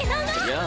やあ。